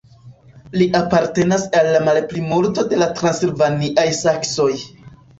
Li apartenas al la malplimulto de la transilvaniaj saksoj.